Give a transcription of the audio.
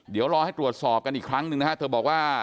เดี๋ยวรอให้ตรวจสอบกันอีกครั้งหนึ่งนะฮะเธอบอกว่า